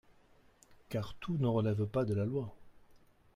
car tout ne relève pas de la loi.